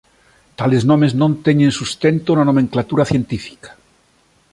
Tales nomes non teñen sustento na nomenclatura científica.